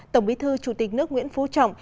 tổng bí thư chủ tịch nước nguyễn phú trọng